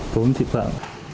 tốn chị phượng